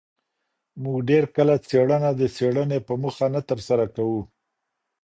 موږ ډېر کله څېړنه د څېړني په موخه نه ترسره کوو.